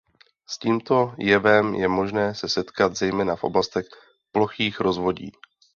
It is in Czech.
S tímto jevem je možné se setkat zejména v oblastech plochých rozvodí.